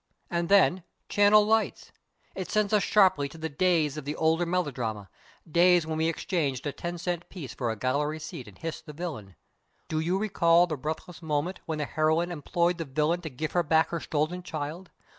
And then Channel Lights! It sends us sharply to the days of the older melodrama days when we exchanged a ten cent piece for a gallery seat and hissed the villain. Do you recall the breathless moment when the heroine implored the villain to give her back her stolen child?